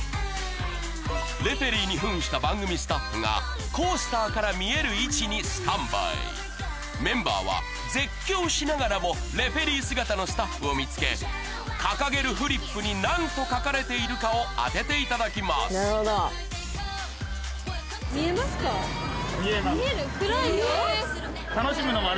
レフェリーに扮した番組スタッフがコースターから見える位置にスタンバイメンバーは絶叫しながらもレフェリー姿のスタッフを見つけ掲げるフリップに何と書かれているかを当てていただきます見える？